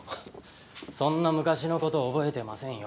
そんな昔の事覚えてませんよ。